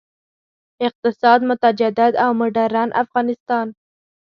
اقتصاد، متجدد او مډرن افغانستان.